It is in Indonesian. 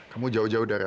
kamu jauh jauh dari aku